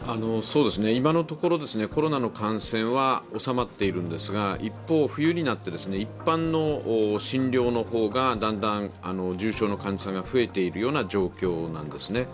今のところ、コロナの感染は収まっているんですが、一方、冬になって一般の診療の方がだんだん重症の患者さんが増えている状況なんですね。